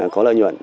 có lợi nhuận